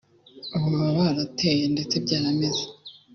ubu baba barateye ndetse byarameze